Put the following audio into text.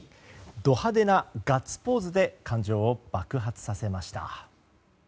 ド派手なガッツポーズで感情を爆発させました。